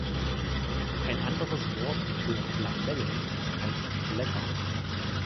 Ein anderes Wort für Lamellen heißt Blätter.